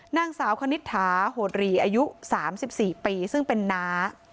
นางสาวคณิตถาโหดหรี่อายุ๓๔ปีซึ่งเป็นน้า